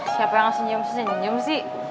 siapa yang senyum senyum sih